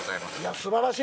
すばらしい！